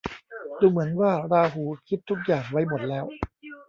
ดูเหมือนว่าราหูคิดทุกอย่างไว้หมดแล้ว